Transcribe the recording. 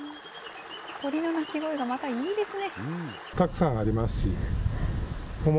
鳥の鳴き声がまたいいですね。